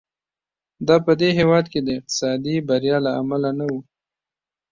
دا په دې هېواد کې د اقتصادي بریا له امله نه و.